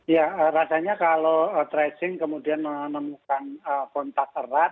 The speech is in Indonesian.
ya rasanya kalau tracing kemudian menemukan kontak erat